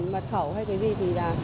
mật khẩu hay cái gì thì là